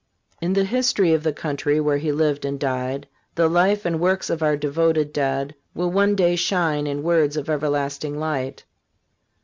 In the history of the country where he lived and died, the life and works of our devoted dead will one day shine in words of everlasting light.